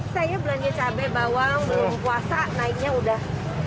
saya belanja cabai bawang belum puasa naiknya udah